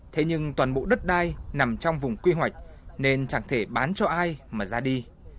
thế nhưng toàn bộ đất đai nằm trong vùng quy hoạch nên chẳng thể bán cho ai mà ra đi